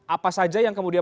apa saja yang kemudian